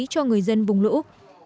cho người dân vùng lũ